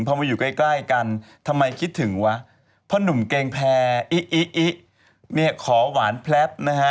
พอมาอยู่ใกล้ใกล้กันทำไมคิดถึงวะพ่อหนุ่มเกงแพรอิอิเนี่ยขอหวานแพลปนะฮะ